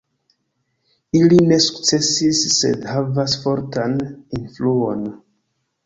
Ili ne sukcesis sed havas fortan influon.